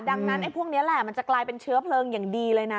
ดังนั้นไอ้พวกนี้แหละมันจะกลายเป็นเชื้อเพลิงอย่างดีเลยนะ